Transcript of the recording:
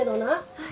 はい。